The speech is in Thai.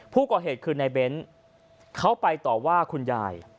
ผู้ก่อเหตุคือในเบ้นเขาไปต่อว่าคุณยาย